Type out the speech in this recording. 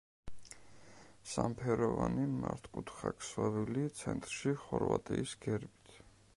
სამფეროვანი მართკუთხა ქსოვილი ცენტრში ხორვატიის გერბით.